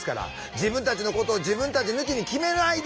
「自分たちのことを自分たち抜きに決めないで」。